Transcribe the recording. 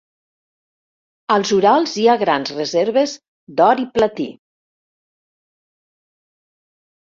Als Urals hi ha grans reserves d'or i platí.